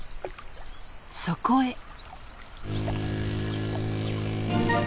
そこへ。